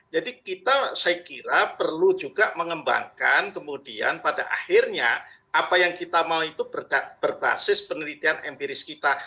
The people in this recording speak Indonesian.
jadi kita saya kira perlu juga mengembangkan kemudian pada akhirnya apa yang kita mau itu berbasis penelitian empiris kita